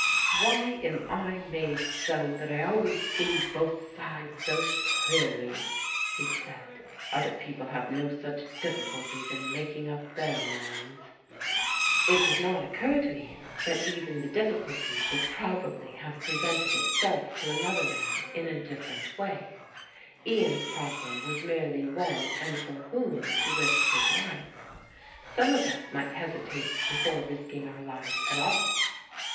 "Why am I made so that I always see both sides so clearly?" he said. "Other people have no such difficulties in making up their minds." It did not occur to Ian that even the difficulty would probably have presented itself to another man in a different way. Ian's problem was merely when and for whom to risk his life; some of us might hesitate before risking our lives at all.